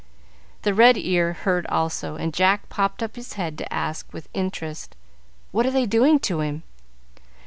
The red ear heard also, and Jack popped up his head to ask, with interest, "What are they doing to him?"